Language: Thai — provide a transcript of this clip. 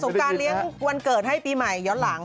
งการเลี้ยงวันเกิดให้ปีใหม่ย้อนหลัง